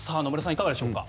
いかがでしょうか。